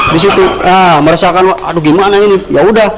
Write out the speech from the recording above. di situ meresahkan aduh gimana ini ya udah